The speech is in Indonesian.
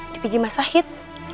dipinjam mas sahid